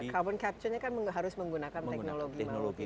carbon capture nya kan harus menggunakan teknologi